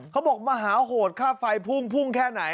เขาบอกมหาโหดค่าไฟพุ่งแค่ไหน